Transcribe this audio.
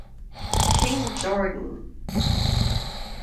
King Jordan.